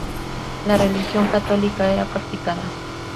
La religión católica era practicada.